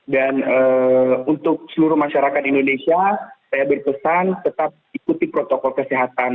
dan untuk seluruh masyarakat indonesia saya berkesan tetap ikuti protokol kesehatan